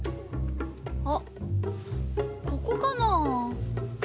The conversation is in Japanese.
あっここかなぁ？